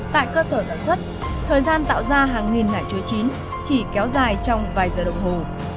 tại cơ sở sản xuất thời gian tạo ra hàng nghìn nả chuối chín chỉ kéo dài trong vài giờ đồng hồ